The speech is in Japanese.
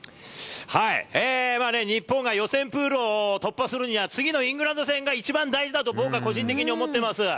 日本が予選プールを突破するには、次のイングランド戦が一番大事だと、僕は個人的に思ってます。